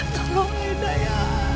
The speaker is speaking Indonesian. tolong aida ya